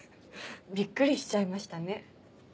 びっくりしちゃいましたね。